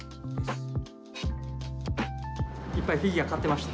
いっぱいフィギュア買ってました。